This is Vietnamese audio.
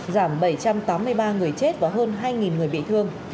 giảm bảy trăm tám mươi ba người chết và hơn hai người bị thương